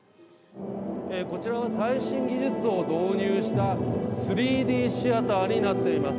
こちらは最新技術を導入した３Ｄシアターになっています。